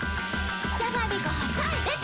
じゃがりこ細いでた‼